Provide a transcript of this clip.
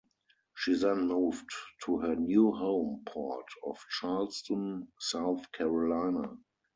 She then moved to her new home port of Charleston, South Carolina.